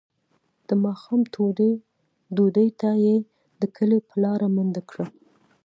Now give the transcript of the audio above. د ماښام تودې ډوډۍ ته یې د کلي په لاره منډه کړه.